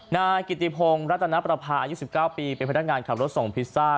นายกิติพงศ์รัตนประพาอายุ๑๙ปีเป็นพนักงานขับรถส่งพิซซ่า